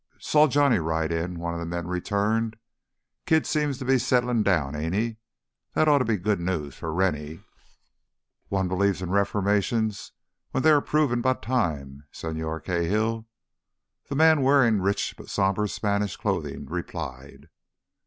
"Saw Johnny ride in," one of the men returned. "Kid seems to be settlin' down, ain't he? That ought to be good news for Rennie." "One believes in reformations when they are proven by time, Señor Cahill," the man wearing rich but somber Spanish clothing replied.